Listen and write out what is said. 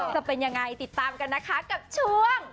จะเป็นยังไงติดตามกันนะคะกับช่วง